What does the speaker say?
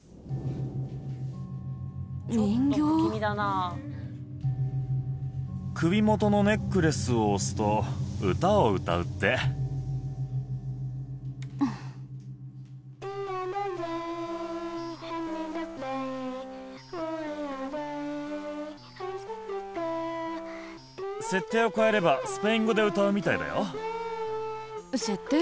人形首元のネックレスを押すと歌を歌うって設定を変えればスペイン語で歌うみたいだよ設定？